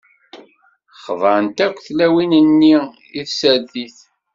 Xḍant akk tlawin-nni i tsertit.